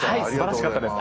すばらしかったです。